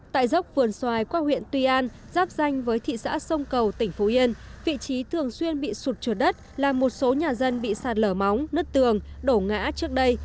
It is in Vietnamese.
tại dốc vườn xoài qua huyện tuy an giáp danh với thị xã sông cầu tỉnh phú yên vị trí thường xuyên bị sụt trượt đất làm một số nhà dân bị sạt lở móng nứt tường đổ ngã trước đây